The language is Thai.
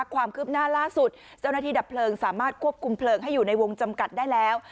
ความคืบหน้าล่าสุดเจ้าหน้าที่ดับเพลิงสามารถควบคุมเพลิงให้อยู่ในวงจำกัดได้แล้ว